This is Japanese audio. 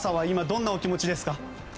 今、どんなお気持ちですか？